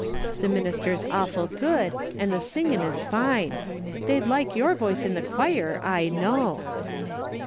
The minister's awful good, and the singin' is fine. They'd like your voice in the choir, I know."